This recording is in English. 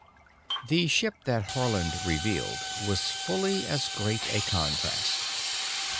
The ship that Haarland revealed was fully as great a contrast.